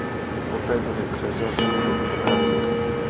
Poté byly přeřazeny do druhé linie.